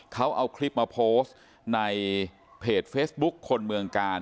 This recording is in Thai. เขาเอาคลิปมาโพสต์ในเพจเฟซบุ๊คคนเมืองกาล